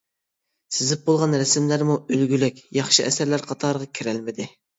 سىزىپ بولغان رەسىملەرمۇ ئۈلگىلىك، ياخشى ئەسەرلەر قاتارىغا كىرەلمىدى.